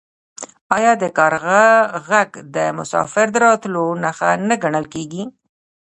آیا د کارغه غږ د مسافر د راتلو نښه نه ګڼل کیږي؟